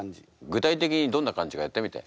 具体的にどんな感じかやってみて。